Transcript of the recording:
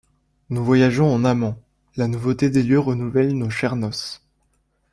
Nous voyageons en amants: la nouveauté des lieux renouvelle nos chères noces.